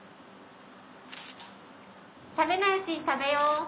・冷めないうちに食べよう。